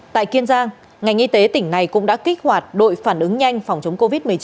tại kiên giang ngành y tế tỉnh này cũng đã kích hoạt đội phản ứng nhanh phòng chống covid một mươi chín